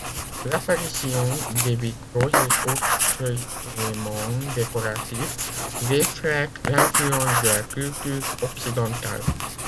L'apparition des vitraux et autres éléments décoratifs reflète l’influence de la culture occidentale.